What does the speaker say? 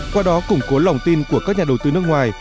qua đó củng cố lòng tin của các nhà đầu tư nước ngoài